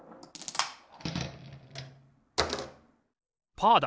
パーだ！